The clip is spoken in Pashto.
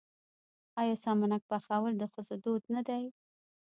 آیا سمنک پخول د ښځو دود نه دی؟